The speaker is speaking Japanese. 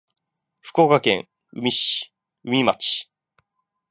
福岡県宇美町